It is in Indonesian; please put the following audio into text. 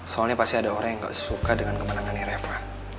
soalnya pasti ada orang yang gak suka dengan kemenangannya reva